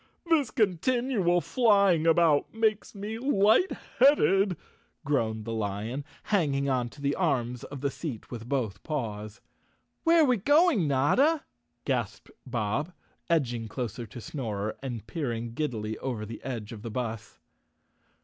"This continual flying about makes me light¬ headed," groaned the lion, hanging on to the arms of the seat with both paws. "Where are we going, Notta?" gasped Bob, edging close to Snorer and peering giddily over the edge of the bus.